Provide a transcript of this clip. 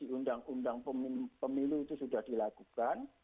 undang undang pemilu itu sudah dilakukan